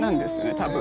多分。